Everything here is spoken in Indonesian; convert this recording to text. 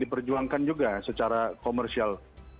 diperjuangkan juga secara komersial